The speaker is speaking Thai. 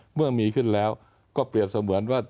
เมื่อมีขึ้นแล้วก็เปรียบเสมือนว่า